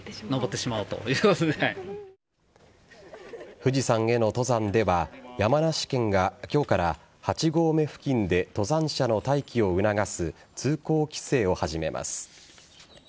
富士山への登山では山梨県が今日から８合目付近で登山者の待機を促す通行規制を始めます。